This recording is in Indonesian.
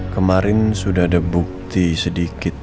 kemarin sudah ada bukti sedikit